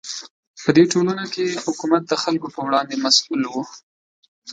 په دې ټولنه کې حکومت د خلکو په وړاندې مسوول و.